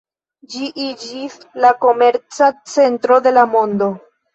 Ĝi iĝis la komerca centro de la mondo.